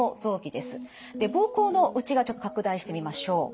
膀胱の内側拡大してみましょう。